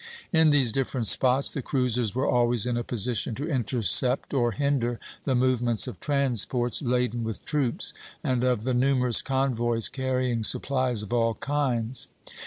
In these different spots the cruisers were always in a position to intercept or hinder the movements of transports laden with troops, and of the numerous convoys carrying supplies of all kinds.